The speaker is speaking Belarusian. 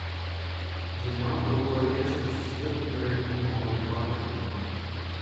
Займаў другое месца ў сусветным рэйтынгу амаль два гады.